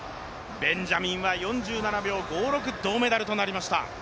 ベンジャミンは４７秒５６、銅メダルとなりました。